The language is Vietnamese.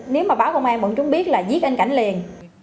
nếu mà báo công an vẫn chúng biết là giết anh cảnh liền